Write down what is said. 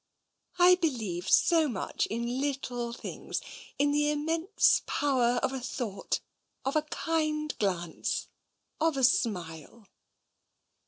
" I believe so much in little things, in the immense power of a thought, of a kind glance, of a smile